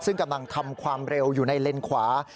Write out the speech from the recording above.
ซึ่งกำลังทำความเร็วอยู่ในเลนขวา